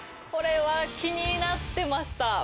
これは気になってました。